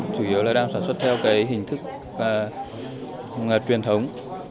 chủ yếu là đang sản xuất theo cái hình thức truyền thống